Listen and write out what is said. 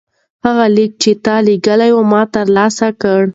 هغه لیک چې تا لیږلی و ما ترلاسه کړ.